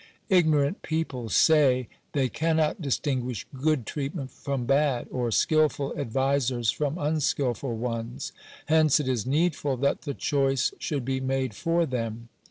Ignorant people say they cannot distinguish good treatment from bad, or skilful ad visers from unskilful ones : hence it is needful that the choice sl^uld be made for them.